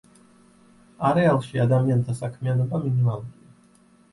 არეალში ადამიანთა საქმიანობა მინიმალურია.